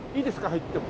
入っても。